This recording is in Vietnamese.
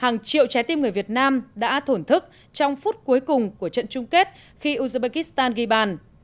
hàng triệu trái tim người việt nam đã thổn thức trong phút cuối cùng của trận chung kết khi uzbekistan ghi bàn